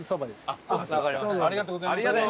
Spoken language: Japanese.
ありがとうございます。